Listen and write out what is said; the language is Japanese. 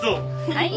はい。